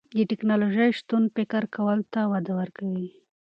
د تکنالوژۍ شتون فکر کولو ته وده ورکوي.